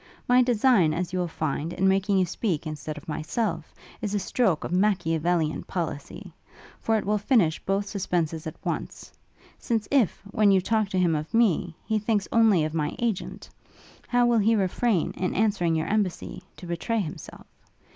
My design, as you will find, in making you speak instead of myself, is a stroke of Machievalian policy; for it will finish both suspences at once; since if, when you talk to him of me, he thinks only of my agent, how will he refrain, in answering your embassy, to betray himself?